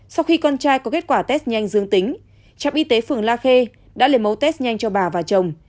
sau khi con trai có kết quả test nhanh dương tính trạm y tế phường la khê đã lấy mẫu test nhanh cho bà và chồng